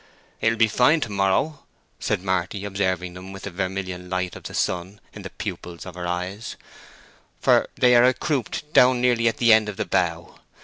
"It will be fine to morrow," said Marty, observing them with the vermilion light of the sun in the pupils of her eyes, "for they are a croupied down nearly at the end of the bough.